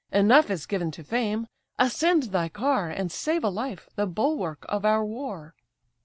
Enough is given to fame. Ascend thy car! And save a life, the bulwark of our war."